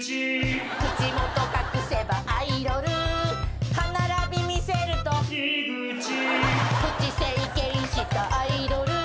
「口元隠せばアイドル」「歯並び見せると」「井口」「プチ整形したアイドル」